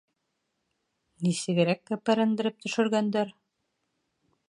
— Нисегерәк кәпәрендереп төшөргәндәр!